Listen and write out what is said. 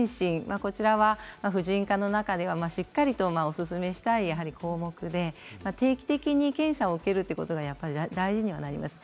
こちらは婦人科の中ではしっかりとおすすめしたい項目で定期的に検査を受けるということが大事になります。